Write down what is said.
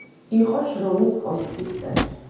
იყო შრომის კომისიის წევრი.